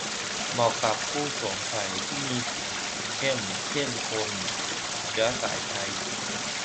เหมาะกับผู้สวมใส่ที่มีผิวเข้ม เช่น คนเชื้อสายไทย